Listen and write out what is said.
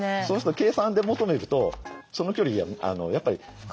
そうすると計算で求めるとその距離はやっぱり。